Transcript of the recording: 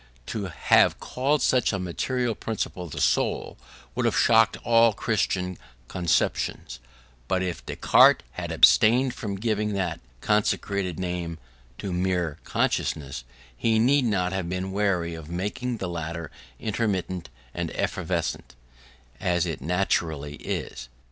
To have called such a material principle the soul would have shocked all Christian conceptions; but if Descartes had abstained from giving that consecrated name to mere consciousness, he need not have been wary of making the latter intermittent and evanescent, as it naturally is.